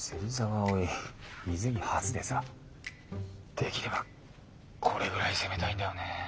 できればこれぐらい攻めたいんだよね。